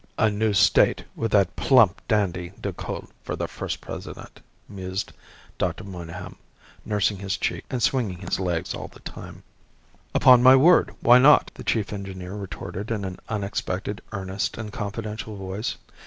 "A new State, with that plump dandy, Decoud, for the first President," mused Dr. Monygham, nursing his cheek and swinging his legs all the time. "Upon my word, and why not?" the chief engineer retorted in an unexpectedly earnest and confidential voice.